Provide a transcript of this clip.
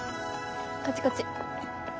こっちこっち。